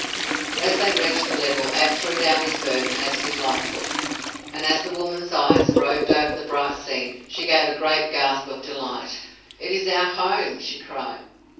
As they reached the level Ab threw down his burden, as did Lightfoot, and as the woman's eyes roved over the bright scene, she gave a great gasp of delight. "It is our home!" she cried.